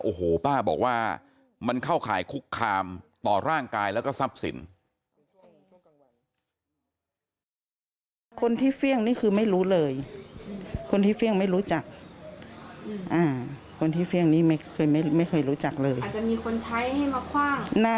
โอ้โหป้าบอกว่ามันเข้าข่ายคุกคามต่อร่างกายแล้วก็ทรัพย์สิน